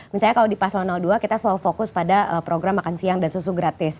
misalnya kalau di paslon dua kita selalu fokus pada program makan siang dan susu gratis